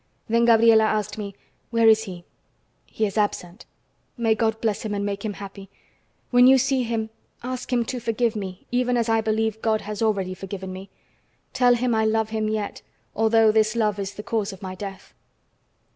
Then Gabriela asked me: "Where is he?" "He is absent " "May God bless him and make him happy! When you see him, ask him to forgive me even as I believe God has already forgiven me. Tell him I love him yet, although this love is the cause of my death."